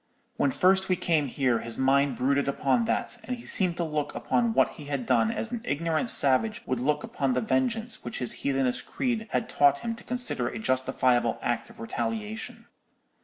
When first we came here, his mind brooded upon that, and he seemed to look upon what he had done as an ignorant savage would look upon the vengeance which his heathenish creed had taught him to consider a justifiable act of retaliation.